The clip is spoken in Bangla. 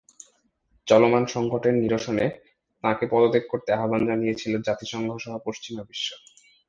চলমান সংকটের নিরসনে তাঁকে পদত্যাগ করতে আহ্বান জানিয়েছিল জাতিসংঘসহ পশ্চিমা বিশ্ব।